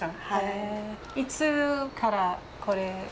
いつからこれ？